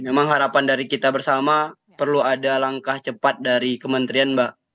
memang harapan dari kita bersama perlu ada langkah cepat dari kementerian mbak